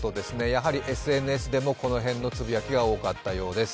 やはりＳＮＳでもこの辺のつぶやきも多かったようです。